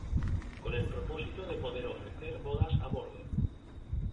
Con el propósito de poder ofrecer bodas a bordo.